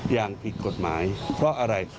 อย่างผิดกฎหมายเพราะอะไร